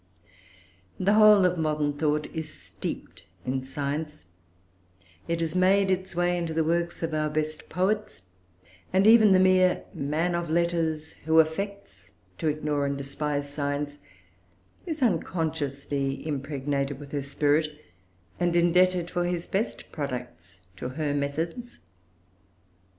The whole of modern thought is steeped in science; it has made its way into the works of our best poets, and even the mere man of letters, who affects to ignore and despise science, is unconsciously impregnated with her spirit, and indebted for his best products to her methods.